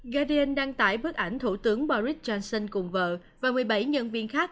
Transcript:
gardian đăng tải bức ảnh thủ tướng boris johnson cùng vợ và một mươi bảy nhân viên khác